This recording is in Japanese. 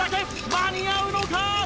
間に合うのか？